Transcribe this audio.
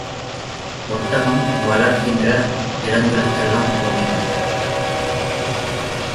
ஒட்டகம் வளர்க்கிற இடங்களுக்கெல்லாம் போனேன்.